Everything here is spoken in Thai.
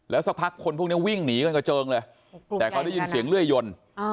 สักพักคนพวกนี้วิ่งหนีกันกระเจิงเลยแต่เขาได้ยินเสียงเลื่อยยน